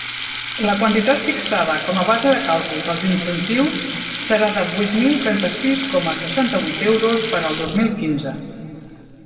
La quantitat fixada com a base de càlcul dels incentius serà de vuit mil trenta-sis coma seixanta-vuit euros per al dos mil quinze.